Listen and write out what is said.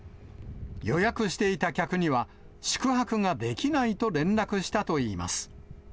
予約していた客には、宿泊ができないと連絡したといいます。